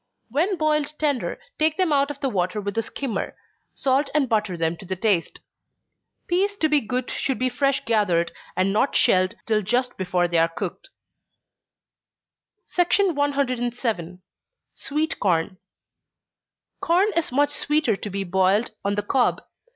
When boiled tender, take them out of the water with a skimmer, salt and butter them to the taste. Peas to be good should be fresh gathered, and not shelled till just before they are cooked. 107. Sweet Corn. Corn is much sweeter to be boiled on the cob.